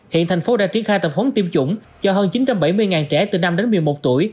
hiện thành phố đã triển khai tập huấn tiêm chủng cho hơn chín trăm bảy mươi trẻ từ năm đến một mươi một tuổi